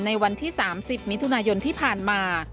วันที่๓๐มิถุนายนที่ผ่านมา